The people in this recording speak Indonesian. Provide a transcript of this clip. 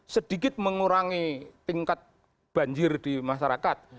sedikit mengurangi tingkat banjir di masyarakat